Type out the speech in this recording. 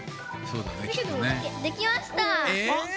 できました！えっ！